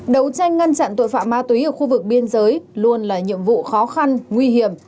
đấu tranh ngăn chặn tội phạm ma túy ở khu vực biên giới luôn là nhiệm vụ khó khăn nguy hiểm